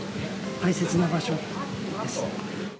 大切な場所です。